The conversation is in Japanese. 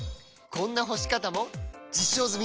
こんな干し方も実証済！